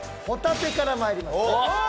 ホタテからまいります